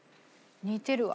似てるわ。